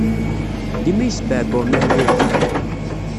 Dima yesbeɛbuɛ mi ara yerfu.